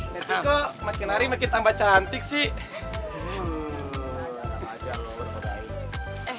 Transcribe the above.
meti kok makin nari makin tambah cantik sih